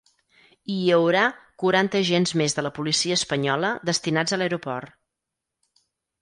I hi haurà quaranta agents més de la policia espanyola destinats a l’aeroport.